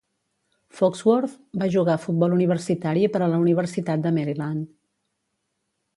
Foxworth va jugar a futbol universitari per a la Universitat de Maryland.